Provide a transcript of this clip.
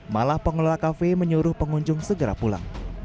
malah pengelola kafe menyuruh pengunjung segera pulang